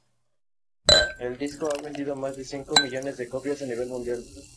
El disco ha vendido más de cinco millones de copias a nivel mundial.